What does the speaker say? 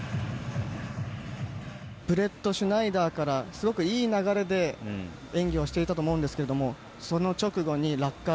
ブレットシュナイダーからすごくいい流れで演技をしていたと思うんですけどその直後に落下。